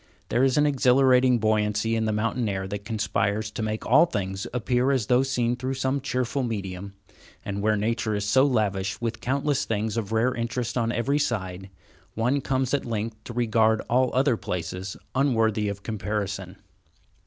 There is an exhilarating buoyancy in the mountain air that conspires to make all things appear as though seen through some cheerful medium, and where nature is so lavish with countless things of rare interest on every side, one comes at length to regard all other places unworthy of comparison.